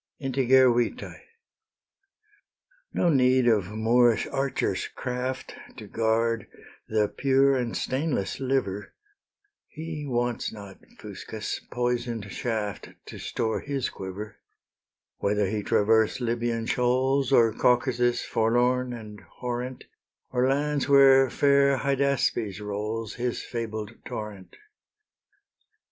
INTEGER VITAE. No need of Moorish archer's craft To guard the pure and stainless liver; He wants not, Fuscus, poison'd shaft To store his quiver, Whether he traverse Libyan shoals, Or Caucasus, forlorn and horrent, Or lands where far Hydaspes rolls His fabled torrent.